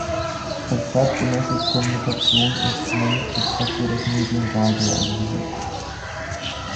Als zeitgemäßes Kommunikations-Instrument wird dafür das Medium Radio eingesetzt.